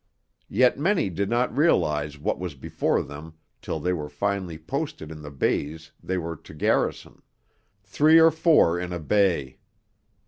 Yet many did not realize what was before them till they were finally posted in the bays they were to garrison three or four in a bay.